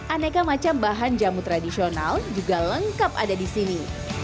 aneka macam bahan jamu tradisional juga lengkap ada di sini